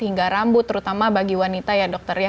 hingga rambut terutama bagi wanita ya dokter ya